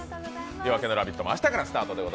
「夜明けのラヴィット！」も明日からスタートです。